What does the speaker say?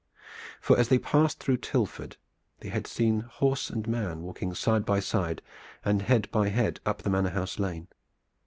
For, as they passed through Tilford they had seen horse and man walking side by side and head by head up the manor house lane.